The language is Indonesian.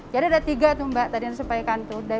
jadi ada tiga tuh mbak tadi yang disampaikan tuh